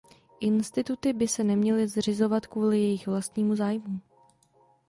Instituty by se neměly zřizovat kvůli jejich vlastnímu zájmu.